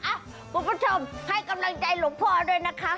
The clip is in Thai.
คุณผู้ชมให้กำลังใจหลวงพ่อด้วยนะคะ